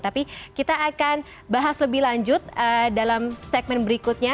tapi kita akan bahas lebih lanjut dalam segmen berikutnya